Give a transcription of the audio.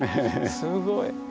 すごい。